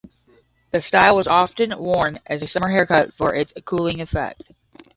The style was often worn as a summer haircut for its cooling effect.